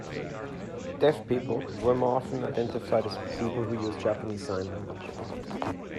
"Deaf people" were more often identified as "people who use Japanese sign language".